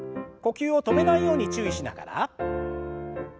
呼吸を止めないように注意しながら。